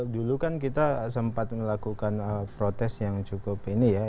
dulu kan kita sempat melakukan protes yang cukup ini ya